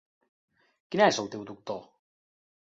Quin és el teu doctor?